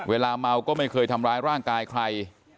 เวลาเมาก็ไม่เคยทำร้ายร่างกายใคร